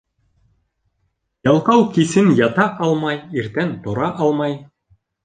Ялҡау кисен ята алмай, иртән тора алмай.